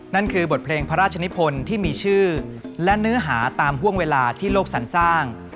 นั่นคือบทเพลงพระราชนิพลที่มีชื่อและเนื้อหาตามห่วงเวลาที่โลกสันสร้าง